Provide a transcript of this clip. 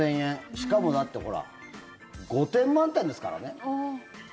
しかも、だってほら５点満点ですからね。